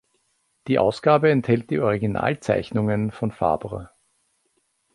Die Ausgabe enthält die Originalzeichnungen von Fabre.